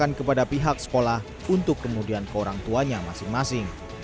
dan diberikan kepada pihak sekolah untuk kemudian ke orang tuanya masing masing